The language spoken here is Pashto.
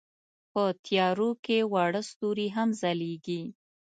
په تیارو کې واړه ستوري هم ځلېږي.